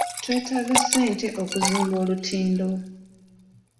Twetaaga ssente okuzimba olutindo.